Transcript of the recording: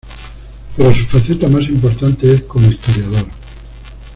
Pero su faceta más importante es como historiador.